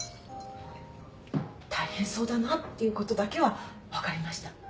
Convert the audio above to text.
大変そうだなっていうことだけは分かりました。